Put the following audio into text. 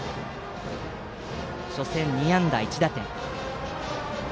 初戦、２安打１打点。